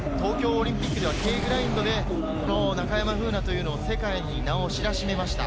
東京オリンピックではＫグラインドで中山楓奈というのを世界に名を知らしめました。